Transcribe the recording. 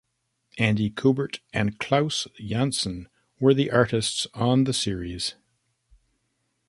Andy Kubert and Klaus Janson were the artists on the series.